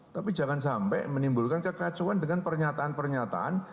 tapi jangan sampai menimbulkan kekacauan dengan pernyataan pernyataan